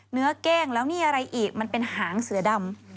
เก้งแล้วนี่อะไรอีกมันเป็นหางเสือดำ